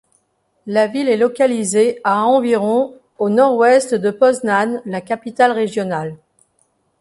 La ville est localisée à environ au nord-ouest de Poznań, la capitale régionale.